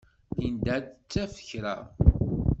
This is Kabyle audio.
Linda ad d-taf kra.